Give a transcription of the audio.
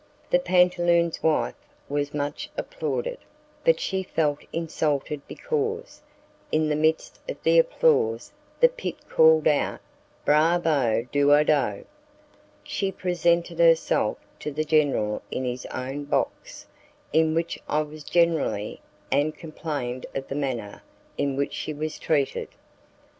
The pantaloon's wife was much applauded, but she felt insulted because, in the midst of the applause, the pit called out, "Bravo, Duodo!" She presented herself to the general in his own box, in which I was generally, and complained of the manner in which she was treated.